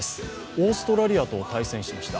オーストラリアと対戦しました。